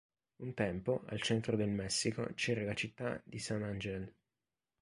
Un tempo, al centro del Messico c'era la città di San Angel.